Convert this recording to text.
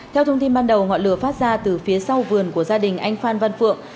theo thông tin ban đầu ngọn lửa phát ra từ phía sau vườn của gia đình anh phan văn phượng